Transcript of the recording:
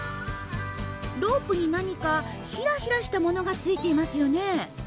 ロープに何かヒラヒラしたものがついていますよね。